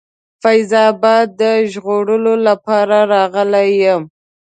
فیض آباد د ژغورلو لپاره راغلی یم.